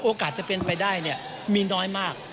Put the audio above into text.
จะเป็นไปได้มีน้อยมาก